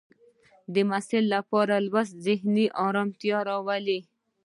د محصل لپاره لوستل ذهني ارامتیا راولي.